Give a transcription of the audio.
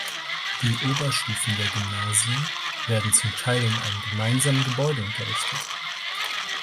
Die Oberstufen der Gymnasien werden zum Teil in einem gemeinsamen Gebäude unterrichtet.